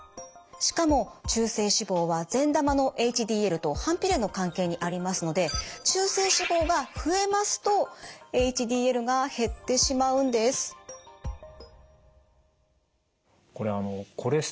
しかも中性脂肪は善玉のＨＤＬと反比例の関係にありますので中性脂肪が増えますとＨＤＬが減ってしまうんです。